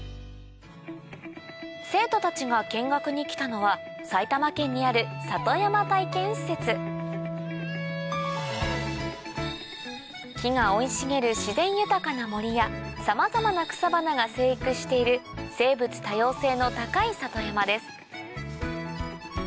生徒たちが見学に来たのは埼玉県にある里山体験施設木が生い茂る自然豊かな森やさまざまな草花が生育している生物多様性の高い里山です